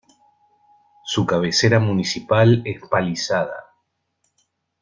Su cabecera municipal es Palizada.